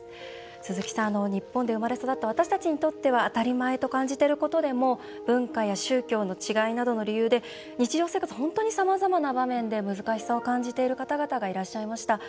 鈴木さん、日本で生まれ育った私たちにとっては当たり前と感じてることでも文化や宗教の違いなどの理由で日常生活、さまざまな場面で難しさを感じている方々がいらっしゃいました。